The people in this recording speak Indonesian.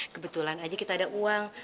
kebetulan aja kita ada uang